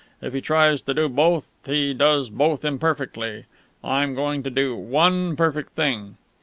If he tries to do both, he does both imperfectly. I'm going to do one perfect thing."